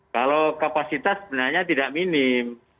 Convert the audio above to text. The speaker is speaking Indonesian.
kalau kapasitas sebenarnya tidak minim